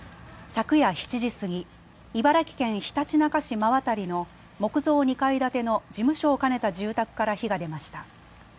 昨夜７時過ぎ、茨城県ひたちなか市馬渡の木造２階建ての事務所を兼ねた住宅から火が出ました。